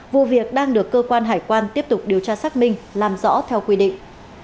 vụ việc đang được cơ quan hải quan tiếp tục điều tra xác minh làm rõ theo quy định